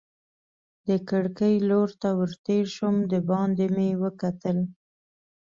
د کړکۍ لور ته ور تېر شوم، دباندې مې وکتل.